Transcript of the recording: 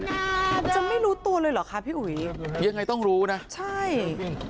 พี่อุ๋ยอ่ะจะไม่รู้ตัวเลยหรือครับพี่อุ๋ยยังไงต้องรู้นะใช่มันต้องมีคุ้มปัง